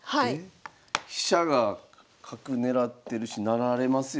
飛車が角狙ってるし成られますよ。